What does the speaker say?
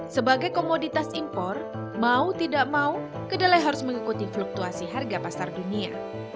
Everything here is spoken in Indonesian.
sebagai komoditas impor mau tidak mau kedelai harus mengikuti fluktuasi harga pasar dunia